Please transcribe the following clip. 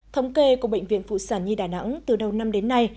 thống kê của bệnh viện phụ sản nhi đà nẵng từ đầu năm đến nay